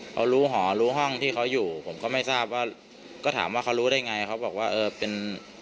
เขารู้หอรู้ห้องที่เขาอยู่ผมก็ไม่ทราบว่าก็ถามว่าเขารู้ได้ไงเขาบอกว่าเออเป็น